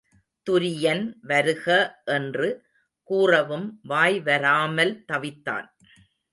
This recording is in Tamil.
துரியன் வருக என்று கூறவும் வாய்வராமல் தவித்தான்.